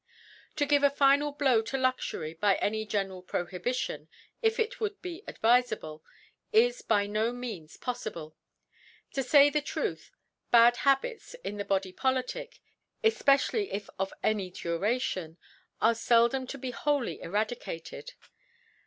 To give a final Blow to Luxury by gny general Prohibition, if it would be aidvif * »ble, is by no means poflfible. To fay the Truth, bad Habits in the Body Politic^ eipeciaily if of any Duration, are leldom to be wholly eradicated.